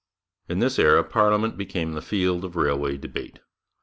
In this era parliament became the field of railway debate.